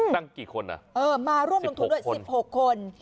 ตั้งกี่คนมาร่วมลงทุนด้วย๑๖คน